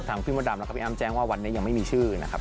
พี่มดดำแล้วก็พี่อ้ำแจ้งว่าวันนี้ยังไม่มีชื่อนะครับ